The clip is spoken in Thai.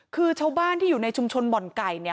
คือชาวบ้านที่อยู่ในชุมชนบ่อนไก่เนี่ย